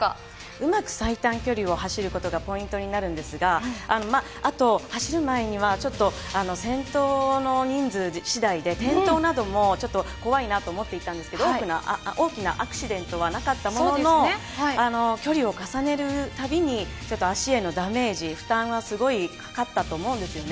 うまく最短距離を走ることがポイントになるんですが、あと、走る前にはちょっと先頭の人数次第で転倒なども怖いなと思っていたんですけど、大きなアクシデントはなかったものの、距離を重ねるたびに足へのダメージ、負担がすごいかかったと思うんですね。